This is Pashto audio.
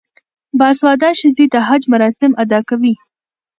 باسواده ښځې د حج مراسم ادا کوي.